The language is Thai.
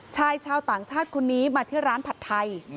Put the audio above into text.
ชายชาวต่างชาติคนนี้มาที่ร้านผัดไทย